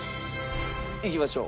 いきましょう。